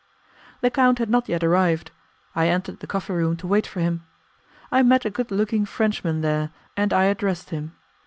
The count had not yet arrived. I entered the coffee room to wait for him. I met a good looking Frenchman there, and I addressed him.